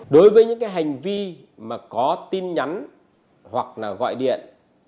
đối với những cái hành vi mà có tin nhắn hoặc là gọi điện